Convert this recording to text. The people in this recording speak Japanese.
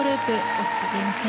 落ち着いていますね。